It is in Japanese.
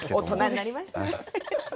大人になりますね。